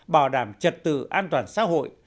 bảo đảm trật tự an toàn xã hội